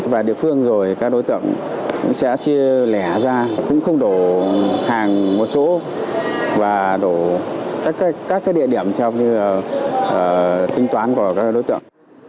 và địa phương rồi các đối tượng sẽ chia lẻ ra cũng không đổ hàng một chỗ và đổ các địa điểm trong tính toán của các đối tượng